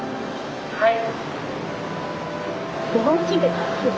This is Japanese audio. はい。